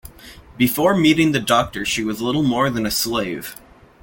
Before meeting the Doctor she was little more than a slave.